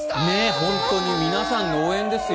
本当に皆さんの応援ですよ。